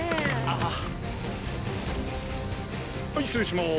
はい失礼します！